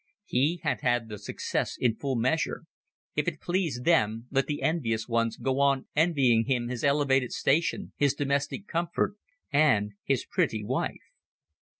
He had had the success in full measure if it pleased them, let the envious ones go on envying him his elevated station, his domestic comfort, and his pretty wife.